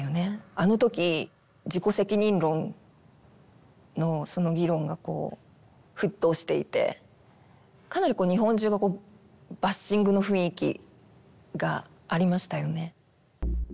あの時自己責任論のその議論がこう沸騰していてかなりこう日本中がバッシングの雰囲気がありましたよね。